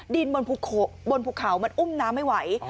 ดินบนภูเขามันอุ้มน้ำไม่ไหว